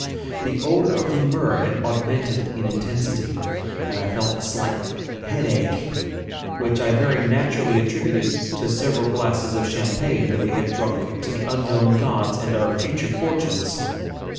The odour of the myrrh had augmented in intensity, and I felt a slight headache, which I very naturally attributed to several glasses of champagne that we had drunk to the unknown gods and our future fortunes.